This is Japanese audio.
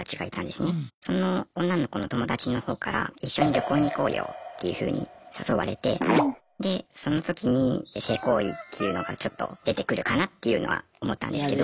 その女の子の友達の方から一緒に旅行に行こうよっていうふうに誘われてでその時に性行為っていうのがちょっと出てくるかなっていうのは思ったんですけど。